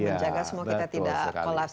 menjaga semoga kita tidak kolaps